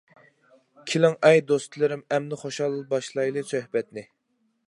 كېلىڭ ئەي دوستلىرىم ئەمدى خۇشال باشلايلى سۆھبەتنى.